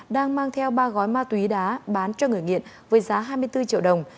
đang mang theo ba gói ma túy đá bán cho người nghiện với giá hai mươi bốn triệu đồng